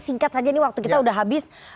singkat saja nih waktu kita udah habis